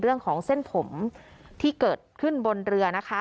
เรื่องของเส้นผมที่เกิดขึ้นบนเรือนะคะ